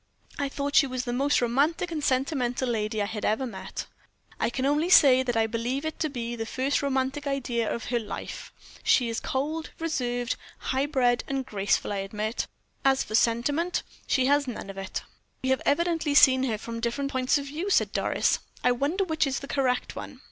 I thought she was the most romantic and sentimental lady I had ever met." "I can only say that I believe it to be the first romantic idea of her life. She is cold, reserved, high bred, and graceful, I admit; but as for sentiment, she has none of it." "We have evidently seen her from different points of view," said Doris. "I wonder which is the correct one."